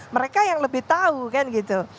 mereka yang lebih tahu kan gitu